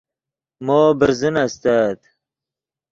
مو برزن استت